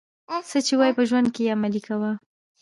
څه چي وايې په ژوند کښي ئې عملي کوه.